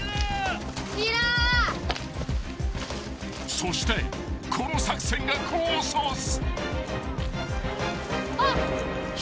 ［そしてこの作戦が功を奏す］